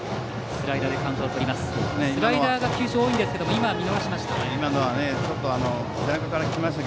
スライダーが球種、多いですが今は見逃しました。